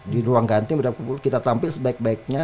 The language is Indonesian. di ruang ganti berapa puluh kita tampil sebaik baiknya